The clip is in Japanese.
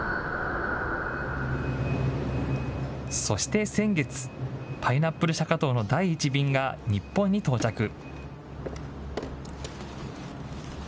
そして先月、パイナップルシャカトウの第一便が日本に到着。